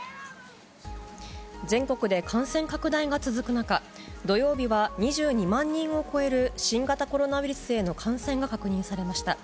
全国で感染拡大が続く中、土曜日は２２万人を超える新型コロナウイルスへの感染が確認されました。